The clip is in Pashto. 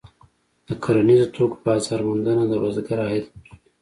د کرنیزو توکو بازار موندنه د بزګر عاید لوړوي.